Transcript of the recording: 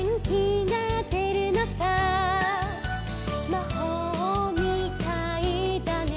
「まほうみたいだね